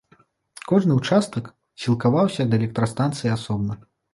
Кожны ўчастак сілкаваўся ад электрастанцыі асобна.